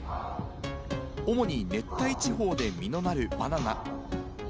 主に熱帯地方で実のなるバナナ。